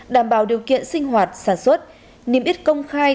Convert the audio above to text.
đảm bảo điều kiện sinh hoạt sản xuất niêm yết công khai